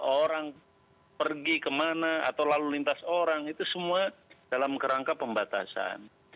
orang pergi kemana atau lalu lintas orang itu semua dalam kerangka pembatasan